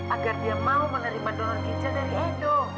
agar dia mau menerima donor ginjal dari edo